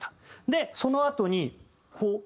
でそのあとにこう。